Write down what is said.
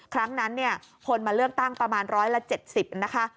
ครั้งนั้นคนมาเลือกตั้งประมาณ๑๗๐นะคะ